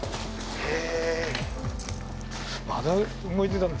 へえ！